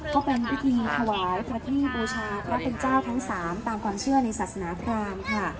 ก็เป็นพิธีถวายพระที่บูชาพระเป็นเจ้าทั้ง๓ตามความเชื่อในศาสนาพรามค่ะ